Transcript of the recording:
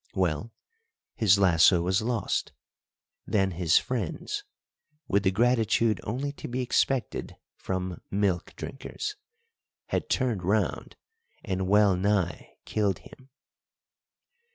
Well, his lasso was lost; then his friends, with the gratitude only to be expected from milk drinkers, had turned round and well nigh killed him.